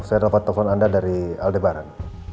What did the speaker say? saya dapat telepon anda dari aldebaran